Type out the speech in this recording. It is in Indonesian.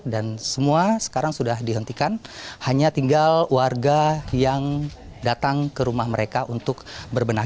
dan semua sekarang sudah dihentikan hanya tinggal warga yang datang ke rumah mereka untuk berbenah